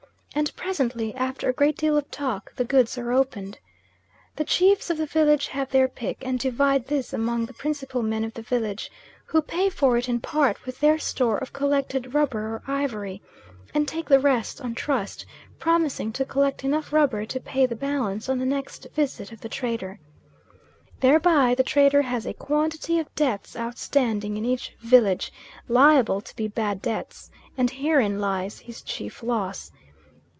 And presently, after a great deal of talk, the goods are opened. The chiefs of the village have their pick, and divide this among the principal men of the village, who pay for it in part with their store of collected rubber or ivory, and take the rest on trust, promising to collect enough rubber to pay the balance on the next visit of the trader. Thereby the trader has a quantity of debts outstanding in each village, liable to be bad debts, and herein lies his chief loss.